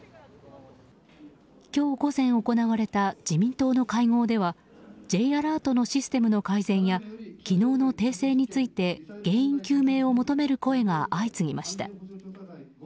今日午前、行われた自民党の会合ではＪアラートのシステムの改善や昨日の訂正について全員究明を求める声が相次ぎました。